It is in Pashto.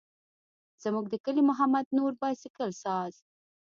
زموږ د کلي محمد نور بایسکل ساز.